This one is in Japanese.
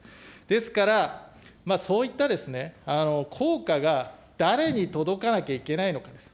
ですから、そういった効果が誰に届かなきゃいけないのかです。